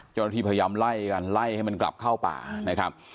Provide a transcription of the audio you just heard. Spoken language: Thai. เจ้าหน้าที่พยายามไล่กันไล่ให้มันกลับเข้าป่านะครับ